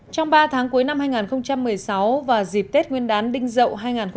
trong ba tháng cuối năm hai nghìn một mươi sáu và dịp tết nguyên đán đinh dậu hai nghìn một mươi tám